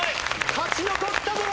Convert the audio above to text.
勝ち残ったのは。